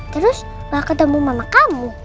terus gak ketemu mama kamu